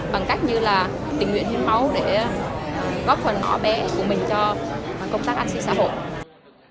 và tình nguyện hiến máu để góp phần mỏ bé của mình cho công tác an sĩ xã hội